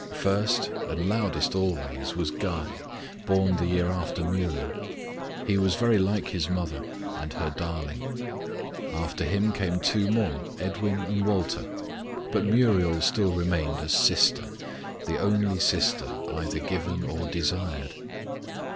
First, and loudest always, was Guy born the year after Muriel. He was very like his mother, and her darling. After him came two more, Edwin and Walter. But Muriel still remained as "sister" the only sister either given or desired.